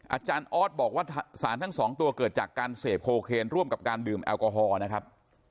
อาจารย์ออสบอกว่าสารทั้งสองตัวเกิดจากการเสพโคเคนร่วมกับการดื่มแอลกอฮอล์นะครับ